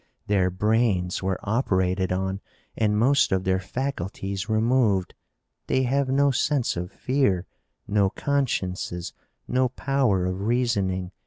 "Their brains were operated on and most of their faculties removed. They have no sense of fear, no consciences, no power of reasoning.